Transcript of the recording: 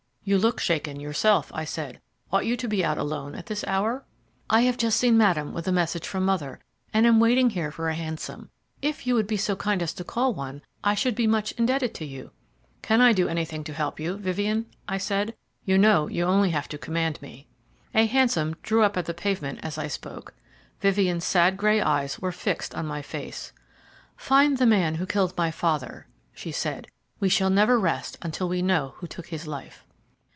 "You look shaken yourself," I said; "ought you to be out alone at this hour?" "I have just seen Madame with a message from mother, and am waiting here for a hansom. If you would be so kind as to call one, I should be much indebted to you." "Can I do anything to help you, Vivien?" I said; "you know you have only to command me." A hansom drew up at the pavement as I spoke. Vivien's sad grey eyes were fixed on my face. "Find the man who killed my father," she said; "we shall never rest until we know who took his life."